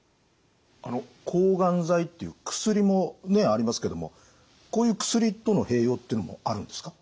あの抗がん剤っていう薬もありますけどもこういう薬との併用っていうのもあるんですか？